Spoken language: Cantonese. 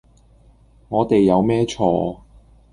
我哋有咩錯